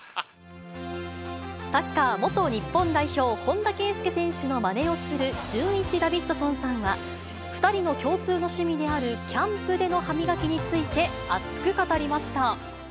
サッカー元日本代表、本田圭佑選手のまねをする、じゅんいちダビッドソンさんは、２人の共通の趣味であるキャンプでの歯磨きについて、熱く語りました。